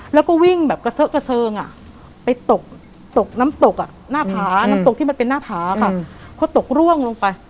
แล้วก็วิ่งแบบเกษอกเกษิง